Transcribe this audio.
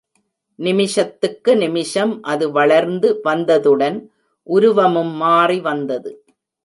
நிமிஷத்துக்கு நிமிஷம் அது வளர்ந்து வந்ததுடன் உருவமும் மாறி வந்தது.